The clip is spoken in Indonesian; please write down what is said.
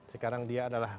sekarang dia adalah